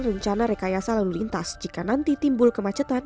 rencana rekayasa lalu lintas jika nanti timbul kemacetan